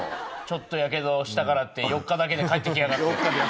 ちょっとやけどしたからって４日だけで帰って来やがって。